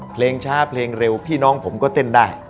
เพลงช้าเพลงเร็วพี่น้องผมก็เต้นได้